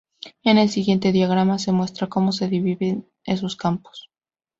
En el siguiente diagrama se muestra como se dividen esos campos.